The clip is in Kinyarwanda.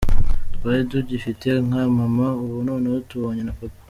Twari tugufite nka mama ubu noneho tubonye na Papa.